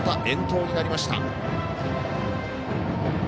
遠投になりました。